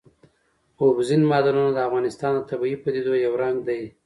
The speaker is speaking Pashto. اوبزین معدنونه د افغانستان د طبیعي پدیدو یو رنګ دی.